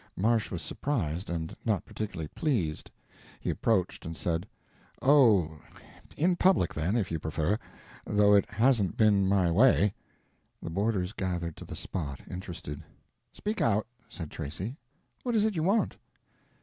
Marsh was surprised; and not particularly pleased. He approached and said: "Oh, in public, then, if you prefer. Though it hasn't been my way." The boarders gathered to the spot, interested. "Speak out," said Tracy. "What is it you want?"